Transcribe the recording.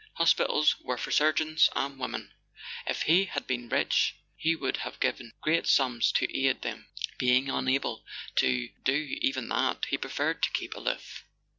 Hospitals were for surgeons and women; if he had been rich he would have given big sums to aid them; being unable to do even that, he preferred to keep aloof.